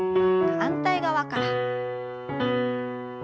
反対側から。